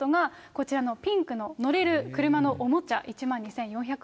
こちらのピンクの乗れる車のおもちゃ１万２４００円